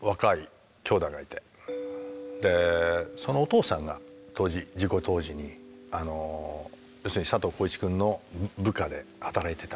でそのお父さんが当時事故当時に要するに佐藤浩市くんの部下で働いてた方なんですよ。